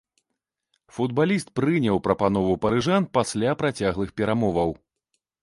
Футбаліст прыняў прапанову парыжан пасля працяглых перамоваў.